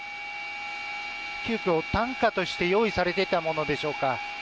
急きょ、担架として用意されていたものでしょうか。